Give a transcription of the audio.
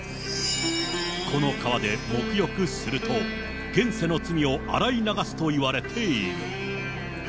この川で沐浴すると、現世の罪を洗い流すといわれている。